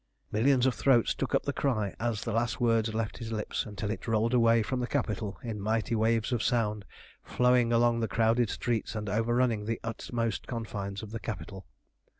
Millions of throats took up the cry as the last words left his lips until it rolled away from the Capitol in mighty waves of sound, flowing along the crowded streets and overrunning the utmost confines of the capital.